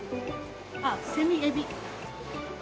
ああセミエビ。